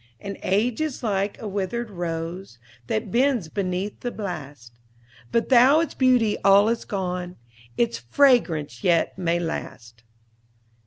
"And age is like a withered rose, That bends beneath the blast; But though its beauty all is gone, Its fragrance yet may last."